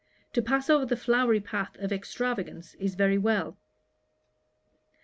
To pass over the flowery path of extravagance is very well.'